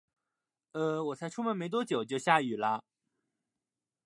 呃，我才出门没多久，就下雨了